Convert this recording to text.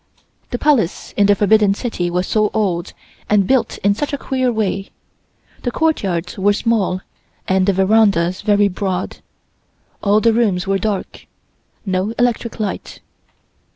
The Palace in the Forbidden City was so old, and built in such a queer way. The courtyards were small, and the verandas very broad. All the rooms were dark. No electric light.